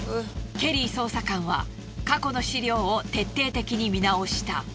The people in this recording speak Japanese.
ケリー捜査官は過去の資料を徹底的に見直した。